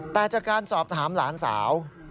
แต่จากการสอบถามหลานสาว